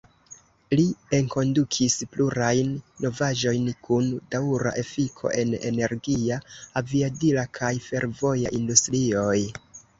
Li enkondukis plurajn novaĵojn kun daŭra efiko en energia, aviadila kaj fervoja industrioj.